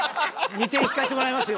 ２点引かせてもらいますよ